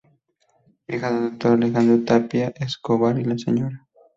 Hija del Dr. Alejandro Tapia Escobar y la Sra.